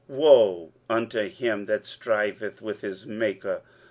23:045:009 Woe unto him that striveth with his Maker!